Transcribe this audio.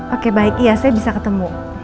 oke baik iya saya bisa ketemu